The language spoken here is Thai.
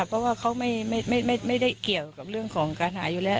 เพราะว่าเขาไม่ได้เกี่ยวกับเรื่องของการหาอยู่แล้ว